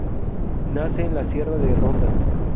Nace en la Sierra de Ronda.